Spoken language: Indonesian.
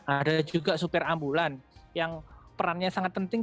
ada juga supir ambulan yang perannya sangat penting